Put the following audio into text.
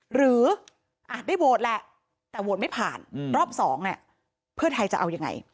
หรืออาจได้โหวตแหละแต่โหวตไม่ผ่านรอบ๒เนี่ยเพื่อไทยจะเอายังไง